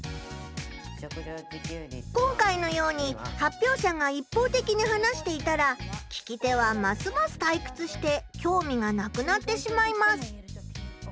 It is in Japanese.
今回のように発表者がいっぽうてきに話していたら聞き手はますますたいくつしてきょうみがなくなってしまいます。